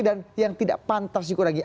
dan yang tidak pantas dikurangi